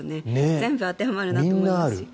全部当てはまるなと思うし。